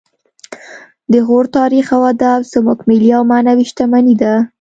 د غور تاریخ او ادب زموږ ملي او معنوي شتمني ده